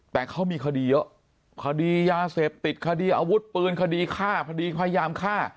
แต่เขามีคดีเยอะคดียาเสพติดคดีอาวุธปืนคดีฆ่าคดีพยายามฆ่า